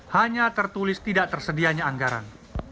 hanya tertulis tidak tersedianya anggaran